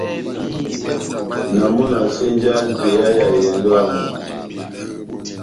Na mɔ na senjaha njeya ya ehɛndɔ yámu.